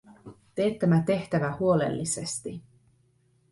Tee tämä tehtävä huolellisesti.